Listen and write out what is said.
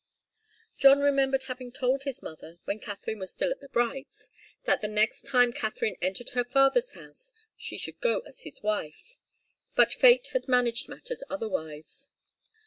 John remembered having told his mother, when Katharine was still at the Brights', that the next time Katharine entered her father's house she should go as his wife; but fate had managed matters otherwise.